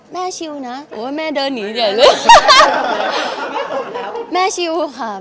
แม่ชิลนะหรือว่าแม่เดินหนีเดี๋ยวเลย